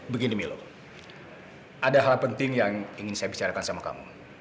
begini milo ada hal penting yang ingin saya bicarakan sama kamu